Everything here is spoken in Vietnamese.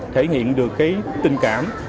thể hiện được tình cảm